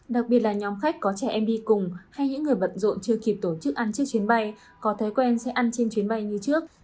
đặc biệt là nhóm khách có trẻ em đi cùng hay những người bận rộn chưa kịp tổ chức ăn chiếc chuyến bay có thói quen sẽ ăn trên chuyến bay như trước